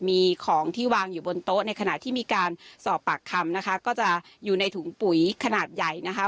มีของที่วางอยู่บนโต๊ะในขณะที่มีการสอบปากคำนะคะก็จะอยู่ในถุงปุ๋ยขนาดใหญ่นะคะ